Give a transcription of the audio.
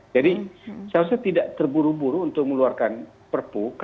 jadi saya rasa tidak terburu buru untuk mengeluarkan perpu